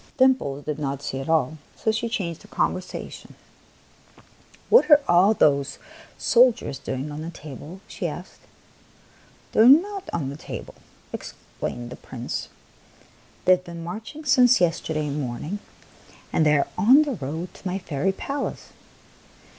Dimples did not see at all ; so she changed the conversation. " What are all those soldiers doing on the table ?" she asked. " They are not on the table," explained the Prince. " They have been marching since yes terday morning, and they are on the road to my fairy palace."